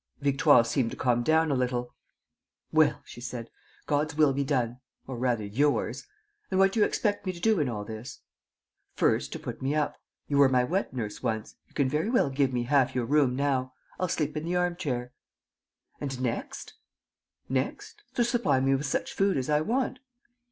Victoire seemed to calm down a little: "Well," she said, "God's will be done ... or rather yours. And what do you expect me to do in all this?" "First, to put me up. You were my wet nurse once. You can very well give me half your room now. I'll sleep in the armchair." "And next?" "Next? To supply me with such food as I want."